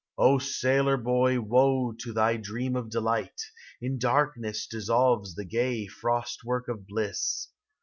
O sailor boy, woe to thy dream of delight ! In darkness dissolves the gay frost work of bliss.